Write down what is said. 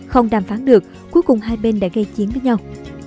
không đàm phán được cuối cùng hai bên đã gây chiến với nhau